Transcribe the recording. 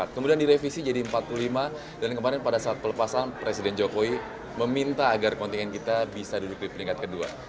kemudian direvisi jadi empat puluh lima dan kemarin pada saat pelepasan presiden jokowi meminta agar kontingen kita bisa duduk di peringkat kedua